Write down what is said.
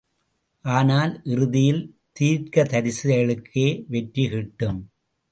ஆனால் இறுதியில் தீர்க்கதரிசிகளுக்கே வெற்றி கிட்டும்.